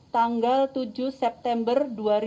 tanggal tujuh september